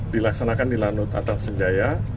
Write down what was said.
dilaksanakan di lanut atang senjaya